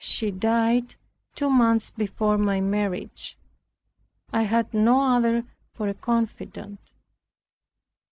She died two months before my marriage. I had no other for a confidant.